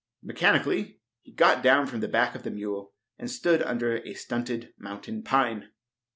Mechanically he got down from the back of the mule and stood under a stunted mountain pine.